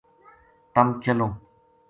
تم چلوں ‘‘